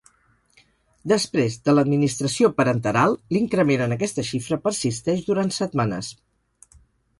Després de l'administració parenteral, l'increment en aquesta xifra persisteix durant setmanes.